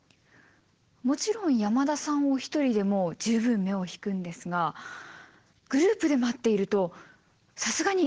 もちろん山田さんお一人でも十分目を引くんですがグループで待っているとさすがに「えっ！？」となりますね。